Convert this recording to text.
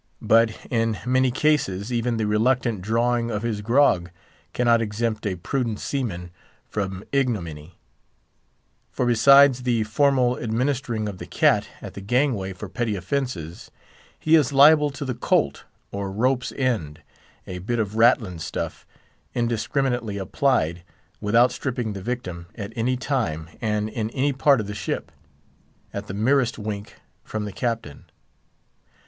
But, in many cases, even the reluctant drawing of his grog cannot exempt a prudent seaman from ignominy; for besides the formal administering of the "cat" at the gangway for petty offences, he is liable to the "colt," or rope's end, a bit of ratlin stuff, indiscriminately applied—without stripping the victim—at any time, and in any part of the ship, at the merest wink from the Captain.